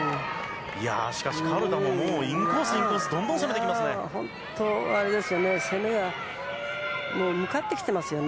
しかし、カルダもインコース、インコースどんどん攻めてきますね。